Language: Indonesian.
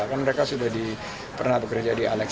karena mereka sudah pernah bekerja di alexis